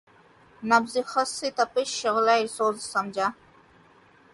نبضِ خس سے تپشِ شعلہٴ سوزاں سمجھا